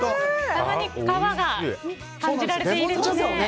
たまに皮が感じられていいですね。